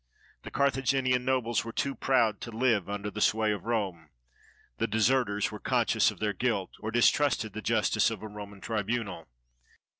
The Carthaginian nobles were too proud to live under the sway of Rome; the deserters were conscious of their guilt, or distrusted the justice of a Roman tribunal.